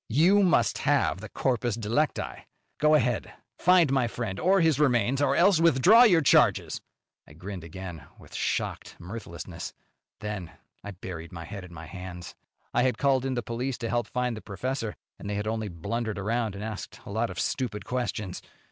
"You must have the corpus delicti. Go ahead! Find my friend or his remains, or else withdraw your charges." I grinned again, with shocked mirthlessness. Then I buried my head in my hands. I had called in the police to help find the professor, and they had only blundered around and asked a lot of stupid questions.